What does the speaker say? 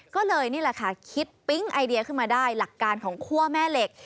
ก็เลยนี่แหละค่ะคิดปิ๊งไอเดียขึ้นมาได้หลักการของคั่วแม่เหล็ก